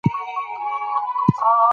ملالۍ د چوپان لور وه.